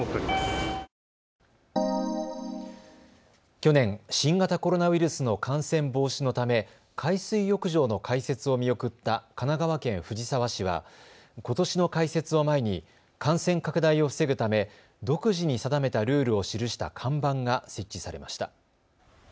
去年、新型コロナウイルスの感染防止のため海水浴場の開設を見送った神奈川県藤沢市はことしの開設を前に感染拡大を防ぐため独自に定めたルールを記した看板が設置されました。